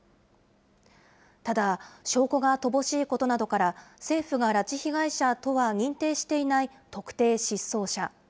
ただ、証拠が乏しいことなどから、政府が拉致被害者とは認定していない特定失踪者。